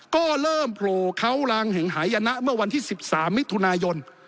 ก็เริ่มโผล่เขาลางแห่งหายนะเมื่อวันที่๑๓มิถุนายน